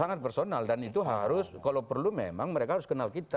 sangat personal dan itu harus kalau perlu memang mereka harus kenal kita